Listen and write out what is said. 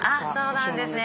そうなんですね